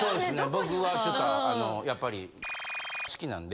僕はちょっとあのやっぱり○※☆好きなんで。